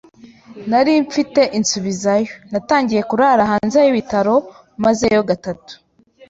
nari mfite insubizayo, natangiye kurara hanze y’ibitaro mazeyo gatatu